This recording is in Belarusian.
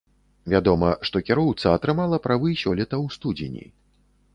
Вядома, што кіроўца атрымала правы сёлета ў студзені.